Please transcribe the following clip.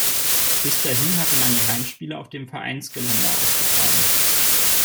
Bis dahin hatte man die Heimspiele auf dem Vereinsgelände ausgetragen.